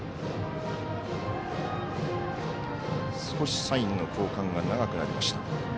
少しサインの交換が長くなりました。